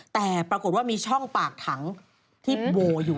แต่ปรากฏว่ามีช่องปากถังที่โวอยู่